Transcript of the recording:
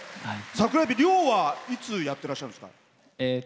サクラエビ、漁はいつやってらっしゃるんですか？